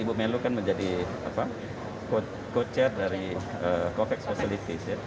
ibu melu kan menjadi co chair dari covax facilities